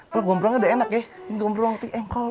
wah gomprongnya udah enak ya ini gomprong ini engkol